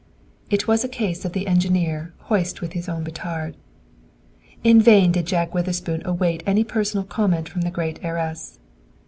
It was a case of the engineer "hoist with his own petard!" In vain did John Witherspoon await any personal comment from the great heiress.